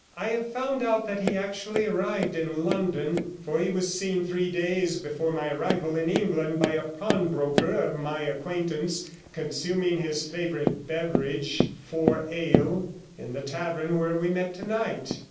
I have found out that he actually arrived in London, for he was seen three days before my arrival in England by a pawnbroker of my acquaintance, consuming his favourite beverage — four ale — in the tavern where we met tonight.